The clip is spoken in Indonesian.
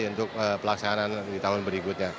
untuk pelaksanaan di tahun berikutnya